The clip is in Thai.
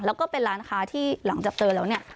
และเป็นร้านค้าที่หลังจับเติมแล้วเนี่ย